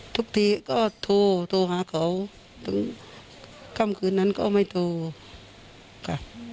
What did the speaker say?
ทุกทีก็โทรโทรหาเขาตั้งกล้ามคืนนั้นก็ไม่โทร